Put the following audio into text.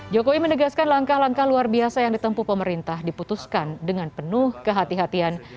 jokowi menegaskan langkah langkah luar biasa yang ditempu pemerintah diputuskan dengan penuh kehatian